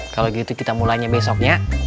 kalau gitu kita mulainya besoknya